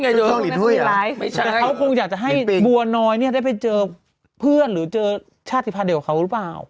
แต่เขาคงอยากจะให้บัวน้อยเนี่ยได้ไปเจอเพื่อนหรือเจอชาติภัณฑ์เดียวกับเขาหรือเปล่า